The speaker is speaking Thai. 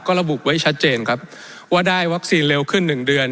ระบุไว้ชัดเจนครับว่าได้วัคซีนเร็วขึ้น๑เดือน